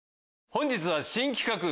本日は新企画！